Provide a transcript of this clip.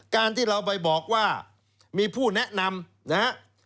การที่เราไปบอกว่ามีผู้แนะนำนะฮะ